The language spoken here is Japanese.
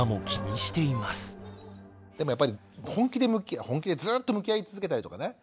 でもやっぱり本気でずっと向き合い続けたりとかね